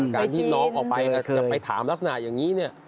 การที่น้องออกไปจะไปถามลักษณะอย่างนี้เนี่ย